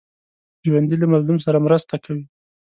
ژوندي له مظلوم سره مرسته کوي